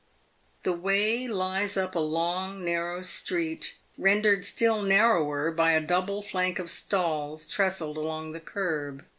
The way lies up a long, narrow street, rendered still narrower by a double flank of stalls trestled along the kerb.